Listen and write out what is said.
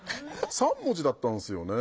３文字だったんすよね。